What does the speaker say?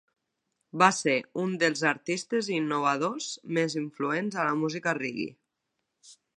Va ser un dels artistes i innovadors més influents a la música reggae.